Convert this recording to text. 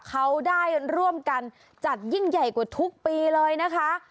เขาได้ร่วมกันจัดยิ่งใหญ่กว่าทุกปีเลยนะคะ